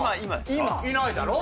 いないだろ？